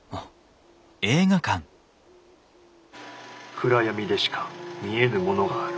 暗闇でしか見えぬものがある。